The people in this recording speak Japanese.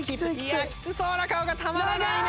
きつそうな顔がたまらないね！